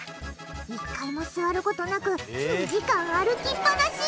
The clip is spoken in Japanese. １回も座る事なく２時間歩きっぱなし。